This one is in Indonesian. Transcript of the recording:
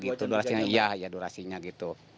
iya durasinya gitu